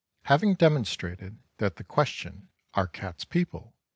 Having demonstrated that the question "Are Cats People?"